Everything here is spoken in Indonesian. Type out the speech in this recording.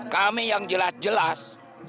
kami yang jelas jelas